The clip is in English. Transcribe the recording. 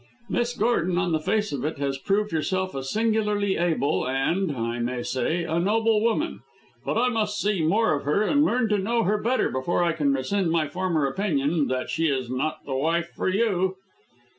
Miss Gordon, on the face of it, has proved herself a singularly able, and, I may say, a noble woman; but I must see more of her, and learn to know her better before I can rescind my former opinion that she is not the wife for you."